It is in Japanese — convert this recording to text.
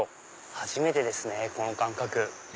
初めてですねこの感覚。